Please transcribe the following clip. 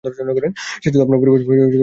সে শুধু আপনার পরিবার ছোট রাখতে চেয়েছে।